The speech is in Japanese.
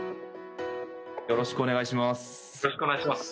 よろしくお願いします。